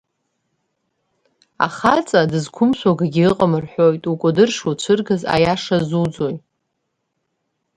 Ахаҵа дызқәымшәо акгьы ыҟам рҳәоит, укәадыр шуцәыргаз аиаша зуӡои?